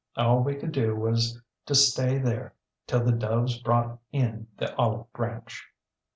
All we could do was to stay there till the doves brought in the olive branch.